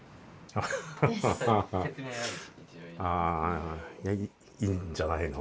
あいいんじゃないの？